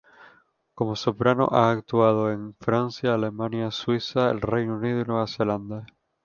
Como soprano, ha actuado en Francia, Alemania, Suiza, el Reino Unido y Nueva Zelanda.